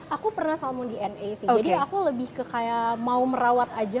aku pernah salmon dna sih jadi aku lebih ke kayak mau merawat aja